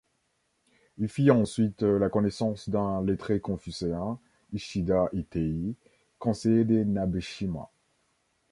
Il fit ensuite la connaissance d'un lettré confucéen, Ishida Ittei, conseiller des Nabeshima.